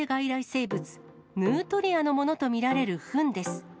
生物、ヌートリアのものと見られるふんです。